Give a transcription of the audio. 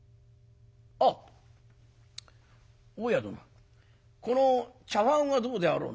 あっ大家殿この茶碗はどうであろうな？